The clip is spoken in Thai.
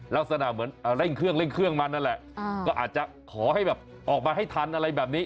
ลักษณะเหมือนเร่งเครื่องเร่งเครื่องมันนั่นแหละก็อาจจะขอให้แบบออกมาให้ทันอะไรแบบนี้